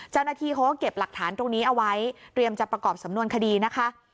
เจ้าหน้าที่เขาก็เก็บหลักฐานตรงนี้เอาไว้เตรียมจะประกอบสำนวนคดีนะคะ